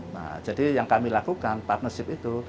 nah jadi yang kami lakukan partnership itu